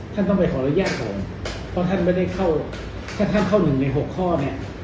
ท่านต้องไปขออนุญาตผมเพราะท่านไม่ได้เข้าถ้าท่านเข้าหนึ่งในหกข้อเนี่ย